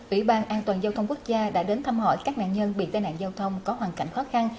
ủy ban an toàn giao thông quốc gia đã đến thăm hỏi các nạn nhân bị tai nạn giao thông có hoàn cảnh khó khăn